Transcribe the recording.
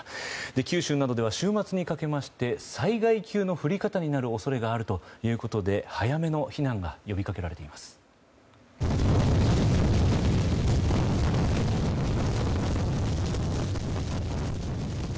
九州などでは週末にかけて災害級の降り方になる恐れがあるということで早めの避難が呼びかけられています。